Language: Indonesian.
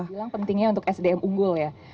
bilang pentingnya untuk sdm unggul ya